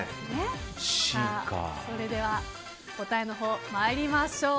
それでは答えのほうまいりましょう。